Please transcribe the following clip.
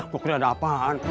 kok tidak ada apaan